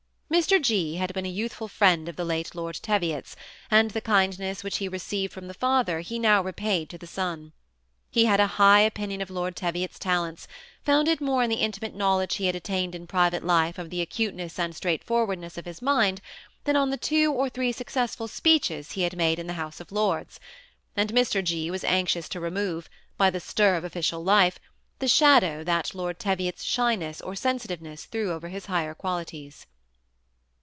Mr. G. had been a youthful friend of the late Lord Teviot's, and the kindness which he received from the father he now repaid to the son. He had a high opin ion of Lord Teviot*s talents, founded more on the inti mate knowledge he had attained in private life of the acuteness and straightforwardness of his mind, than on the two or three successful speeches he had made in the House of Lords ; and Mr. G. was anxious to remove, by the stir of official life, the shadow that Lord Teviot's shyness or sensitiveness threw over his higher quali ties.